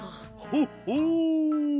ほっほう！